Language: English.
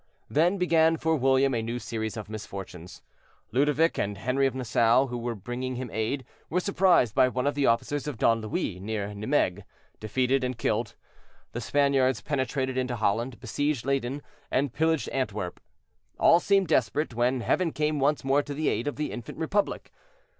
Then began for William a new series of misfortunes—Ludovic and Henri of Nassau, who were bringing him aid, were surprised by one of the officers of Don Louis near Nimegue, defeated and killed; the Spaniards penetrated into Holland, besieged Leyden, and pillaged Antwerp. All seemed desperate, when Heaven came once more to the aid of the infant Republic.